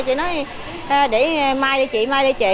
chị nói mai đây chị mai đây chị